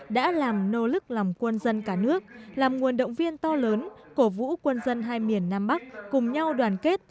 đã làm nỗ lực làm quân dân cả nước làm nguồn động viên to lớn cổ vũ quân dân hai miền nam bắc cùng nhau đoàn kết